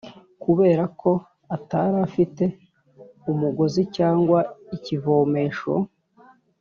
kubera ko atari afite umugozi cyangwa ikivomesho